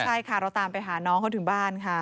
ใช่ค่ะเราตามไปหาน้องเขาถึงบ้านค่ะ